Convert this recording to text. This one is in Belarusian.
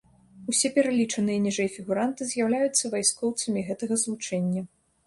Усё пералічаныя ніжэй фігуранты з'яўляюцца вайскоўцамі гэтага злучэння.